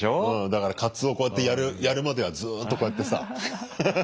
だからカツオこうやってやるまではずっとこうやってさ。